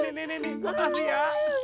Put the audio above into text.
gue kasih ya